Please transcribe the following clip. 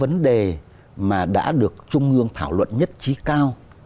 vấn đề mà đã được trung ương thảo luận nhất trí cao